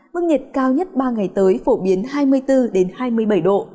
mức nhiệt cao nhất ba ngày tới phổ biến hai mươi bốn hai mươi bảy độ